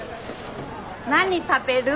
何食べる？